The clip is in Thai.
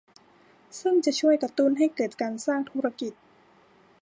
ซึ่งจะช่วยกระตุ้นให้เกิดการสร้างธุรกิจ